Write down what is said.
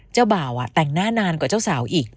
เจ้าบ่าวแต่งหน้านานกว่าเจ้าสาวอีก